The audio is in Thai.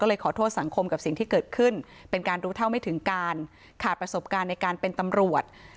ก็เลยขอโทษสังคมกับสิ่งที่เกิดขึ้นเป็นการรู้เท่าไม่ถึงการขาดประสบการณ์ในการเป็นตำรวจ